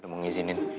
udah mau ngizinin